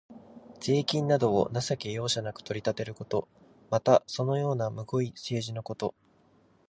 税金などを情け容赦なく取り立てること。また、そのようなむごい政治のこと。